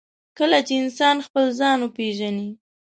کله چې انسان خپل ځان وپېژني.